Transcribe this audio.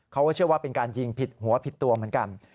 เขาก็เชื่อว่าเป็นการยิงผิดหัวผิดตัวเหมือนกัน